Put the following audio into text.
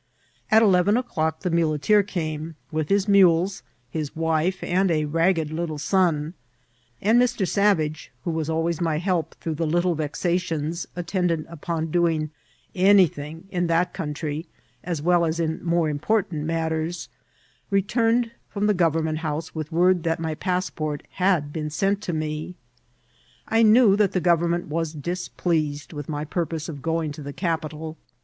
At eleven o'clock the muleteer came, with his mules, his wife, and a ragged little son ; and Mr. Savage, who was always my help through the little vexations attendant upon doing anything in that country, as well as in more important matters, returned from the Government House vrith word that my passport had been sent to me. I knew that the government was displeased with my pur pose of going to the capitol.